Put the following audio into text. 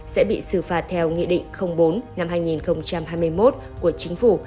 sẽ bị xử phạt theo nghị định bốn năm hai nghìn hai mươi một của chính phủ